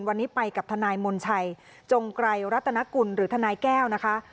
วันนี้ไปกับทนายมนชัยจงไกรรัตนกุลหรือทนายแก้วนะคะ